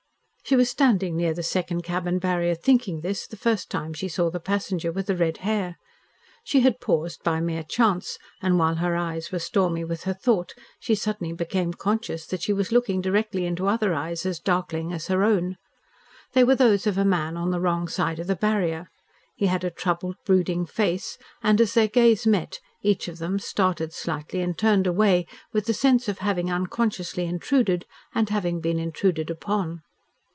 She was standing near the second cabin barrier thinking this, the first time she saw the passenger with the red hair. She had paused by mere chance, and while her eyes were stormy with her thought, she suddenly became conscious that she was looking directly into other eyes as darkling as her own. They were those of a man on the wrong side of the barrier. He had a troubled, brooding face, and, as their gaze met, each of them started slightly and turned away with the sense of having unconsciously intruded and having been intruded upon.